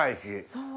そう。